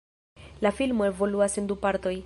La filmo evoluas en du partoj.